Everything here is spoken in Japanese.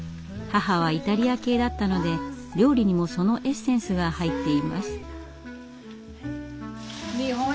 母はイタリア系だったので料理にもそのエッセンスが入っています。